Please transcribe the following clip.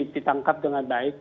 ditangkap dengan baik